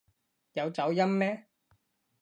有走音咩？